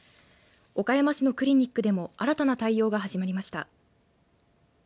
岡山市のクリニックでも新たな対応が始まりました。